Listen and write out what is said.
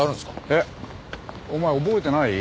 えっお前覚えてない？